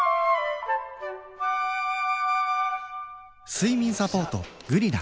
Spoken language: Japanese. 睡眠サポート「グリナ」